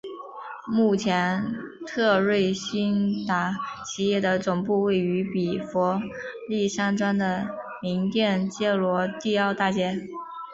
目前特瑞新达企业的总部位于比佛利山庄的名店街罗迪欧大道。